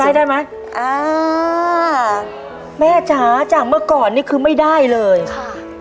ได้ไหมอ่าแม่จ๋าจากเมื่อก่อนนี่คือไม่ได้เลยค่ะ